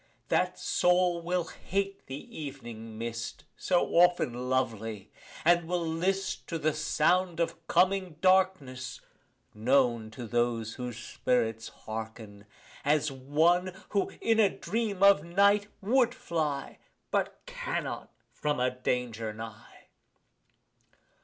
That soul will hate the ev'ning mist, So often lovely, and will list To the sound of the coming darkness (known To those whose spirits hearken) as one Who, in a dream of night, would fly But cannot, from a danger nigh.